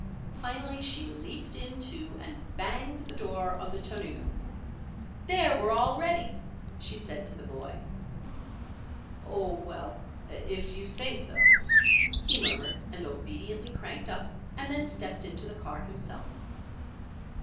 Finally she leaped in, too, and banged the door of the tonneau. "There! we're all ready," she said to the boy. "Oh well if you say so," he murmured, and obediently cranked up and then stepped into the car himself.